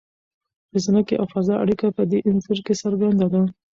د ځمکې او فضا اړیکه په دې انځور کې څرګنده ده.